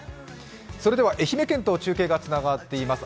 それでは愛媛県と中継がつながっています。